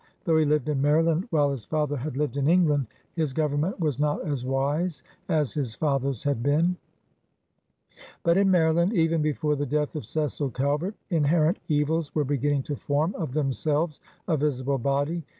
Though he lived in Maryland while his father had lived in England, his government was not as wise as his father's had been. But in Maryland, even before the death of Cecil Calvert, inherent evils were beginning to form of themselves a visible body.